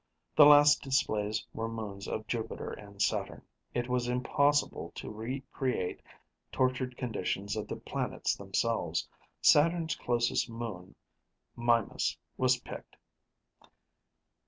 The last displays were moons of Jupiter and Saturn; it was impossible to recreate tortured conditions of the planets themselves. Saturn's closest moon, Mimas, was picked.